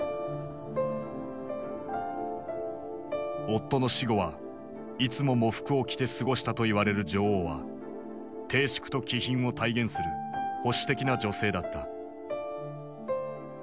夫の死後はいつも喪服を着て過ごしたといわれる女王は貞淑と気品を体現する保守的な女性だった。